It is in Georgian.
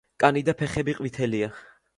კანი და ფეხები ყვითელია.